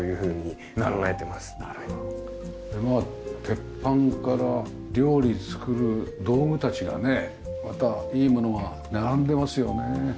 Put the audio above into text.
鉄板から料理作る道具たちがねまたいい物が並んでますよね。